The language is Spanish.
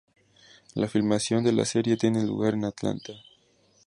La filmación de la serie tiene lugar en Atlanta.